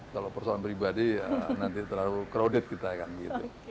kalau persoalan pribadi ya nanti terlalu crowded kita kan gitu